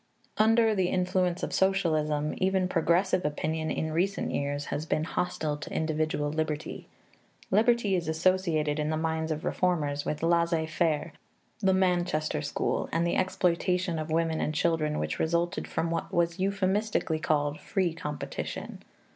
Under the influence of socialism, even progressive opinion, in recent years, has been hostile to individual liberty. Liberty is associated, in the minds of reformers, with laissez faire, the Manchester School, and the exploitation of women and children which resulted from what was euphemistically called "free competition."